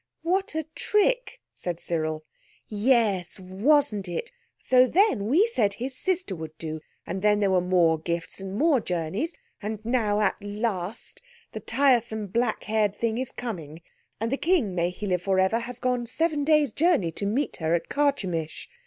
"What a trick!" said Cyril. "Yes, wasn't it? So then we said his sister would do, and then there were more gifts and more journeys; and now at last the tiresome, black haired thing is coming, and the King may he live for ever has gone seven days' journey to meet her at Carchemish.